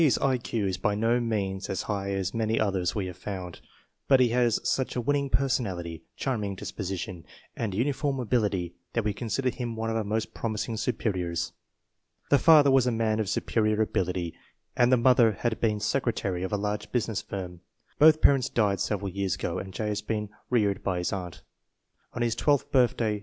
's I Q is by no means as high as many others we have found, but he has such a winning personality, charming disposition, and uniform ability that we consider Trim one of our most promising superiors. The father was a man of superior ability, and the mother had been secretary of a large business firm. Both parents died several years ago, and J. has been reared by his aunt. On his twelfth birthday J.